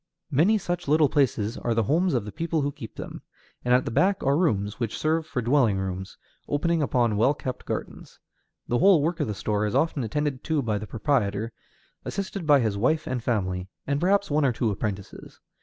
Many such little places are the homes of the people who keep them. And at the back are rooms, which serve for dwelling rooms, opening upon well kept gardens. The whole work of the store is often attended to by the proprietor, assisted by his wife and family, and perhaps one or two apprentices.